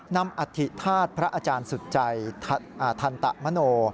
นำอธิภาษณ์พระอาจารย์สุดใจทันตะมโน